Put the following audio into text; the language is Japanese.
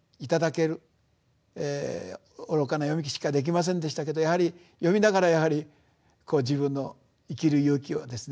愚かな読みしかできませんでしたけど読みながらやはり自分の生きる勇気をですね